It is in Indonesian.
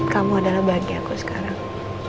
kamu adalah bagi aku sekarang